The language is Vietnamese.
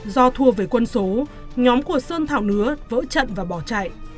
do thua về quân số nhóm của sơn thảo nứa vỡ trận và bỏ chạy